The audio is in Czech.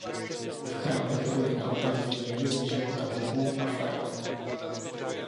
V chrámech byly naopak výjevy ze života bohů a faraonů.